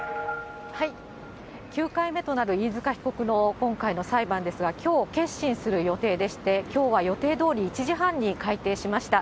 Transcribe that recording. ９回目となる飯塚被告の今回の裁判ですが、きょう、結審する予定でして、きょうは予定どおり、１時半に開廷しました。